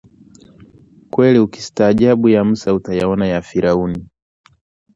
kweli ukistaajabu ya Musa utayaona ya Firauni